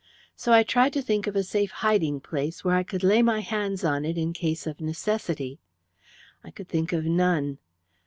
So I tried to think of a safe hiding place where I could lay my hands on it in case of necessity. I could think of none.